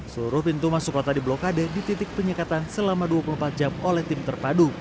seluruh pintu masuk kota di blokade di titik penyekatan selama dua puluh empat jam oleh tim terpadu